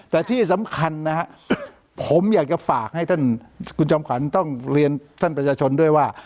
แต่ที่สำคัญนะฮะผมอยากจะฝากให้ท่านคุณจอมขวัญต้องเรียนท่านประชาชนด้วยว่า